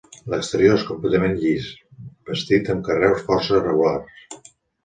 L'exterior és completament llis, bastit amb carreus força regulars.